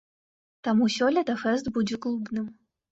Таму сёлета фэст будзе клубным.